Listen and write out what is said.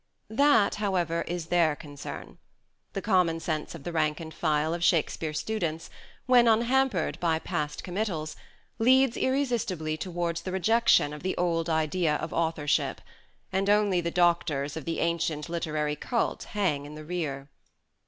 That, however, is their concern. The common sense of the rank and file of Shakespeare students, when unhampered by past committals, leads irresistibly towards the rejection of the old idea of authorship ; and only the doctors of the ancient literary cult hang in the rear.